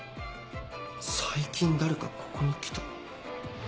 最近誰かここに来た？